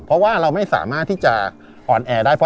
เพราะว่าเราไม่สามารถที่จะออนแอร์ได้